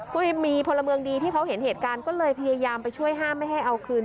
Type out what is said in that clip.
ก็มีพลเมืองดีที่เขาเห็นเหตุการณ์ก็เลยพยายามไปช่วยห้ามไม่ให้เอาคืน